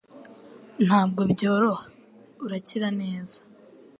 Ntabwo byoroha. Urakira neza. ”